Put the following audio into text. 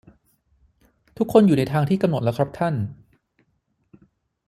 ทุกคนอยู่ในทางที่กำหนดแล้วครับท่าน